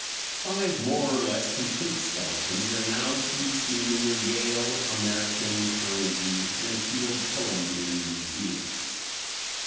Five more or less complete skeletons are now to be seen in the Yale, American, Carnegie, and Field Columbian museums.